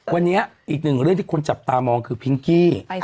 วันนี้อีกหนึ่งเรื่องที่คนจับตามองคือพิงกี้